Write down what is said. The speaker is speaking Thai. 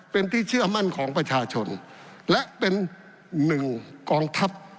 เป็นที่เชื่อมั่นของประชาชนและเป็นหนึ่งกองทัพ